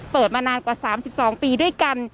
เปิดมานานกว่า๓๒ปีด้วยกัน